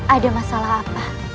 ada masalah apa